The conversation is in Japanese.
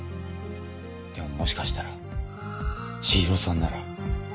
でももしかしたら千尋さんなら。